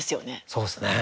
そうですね。